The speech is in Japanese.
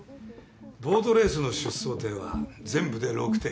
ボートレースの出走艇は全部で６艇。